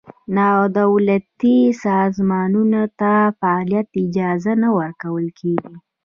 نا دولتي سازمانونو ته د فعالیت اجازه نه ورکول کېږي.